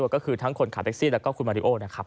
ก็คือทั้งคนขับแท็กซี่แล้วก็คุณมาริโอนะครับ